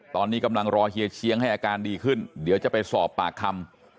ตอนนี้กำลังรอเฮียเชียงให้อาการดีขึ้นเดี๋ยวจะไปสอบปากคำ